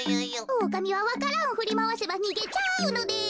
おおかみはわか蘭をふりまわせばにげちゃうのです。